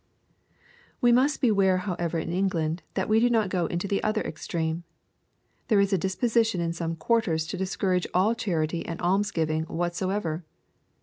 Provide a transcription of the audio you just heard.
We must beware however in England that we do not go into the other extreme. There is a disposition in some quarters to discourage all charity and almsgiving whatsoever.